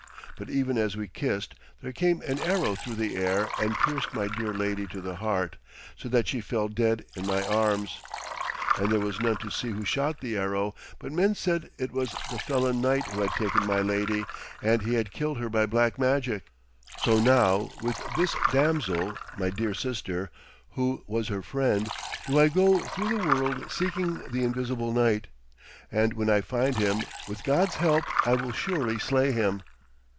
But even as we kissed, there came an arrow through the air and pierced my dear lady to the heart, so that she fell dead in my arms. And there was none to see who shot the arrow, but men said it was the felon knight who had taken my lady, and he had killed her by black magic. So now with this damsel, my dear sister, who was her friend, do I go through the world seeking the invisible knight. And when I find him, with God's help I will surely slay him.'